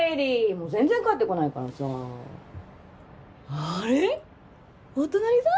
浬もう全然帰ってこないからさあれお隣さん？